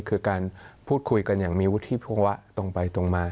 คือการพูดคุยกันอย่างมีวุฒิภาวะตรงไปตรงมา